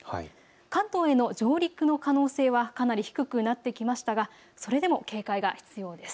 関東への上陸の可能性はかなり低くなってきましたがそれでも警戒が必要です。